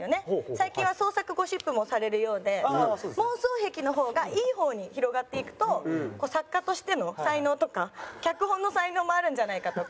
最近は創作ゴシップもされるようでその妄想癖の方がいい方に広がっていくと作家としての才能とか脚本の才能もあるんじゃないかとか。